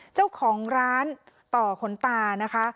เจ้าของร้านต่อขนตานะคะ